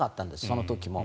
その時も。